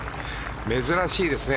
珍しいですね。